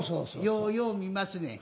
ようよう見ますねん。